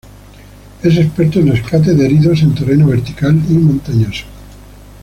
Es experto en rescate de heridos en terreno vertical y montañoso.